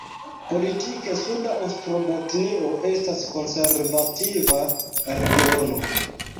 Politike Suda Ostrobotnio estas konservativa regiono.